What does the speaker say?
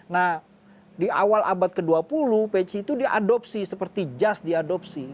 nah di awal abad ke dua puluh peci itu diadopsi seperti jas diadopsi